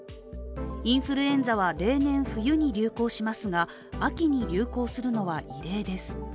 インフルエンザは例年、冬に流行しますが秋に流行するのは異例です。